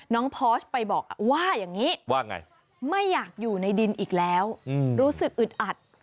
พอร์ชไปบอกว่าอย่างนี้ว่าไงไม่อยากอยู่ในดินอีกแล้วรู้สึกอึดอัด